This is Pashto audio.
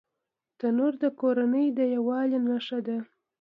تنور د کورنۍ د یووالي نښه ده